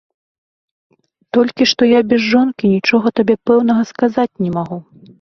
Толькі што я без жонкі нічога табе пэўнага сказаць не магу.